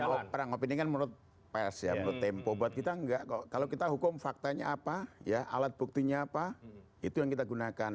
kalau perang opini kan menurut pers ya menurut tempo buat kita enggak kok kalau kita hukum faktanya apa ya alat buktinya apa itu yang kita gunakan